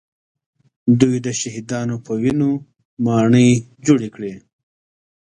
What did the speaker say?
دوی د شهیدانو په وینو ماڼۍ جوړې کړې